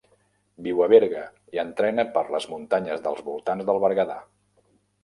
Viu a Berga i entrena per les muntanyes dels voltants del Berguedà.